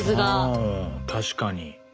うん確かに。